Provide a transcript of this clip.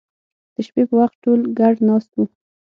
د شپې په وخت ټول ګډ ناست وو